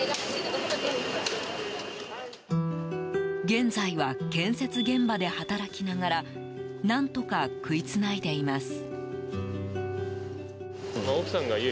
現在は建設現場で働きながら何とか食いつないでいます。